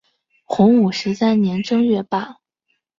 洪武十三年正月罢。